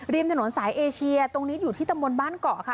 ริมถนนสายเอเชียตรงนี้อยู่ที่ตำบลบ้านเกาะค่ะ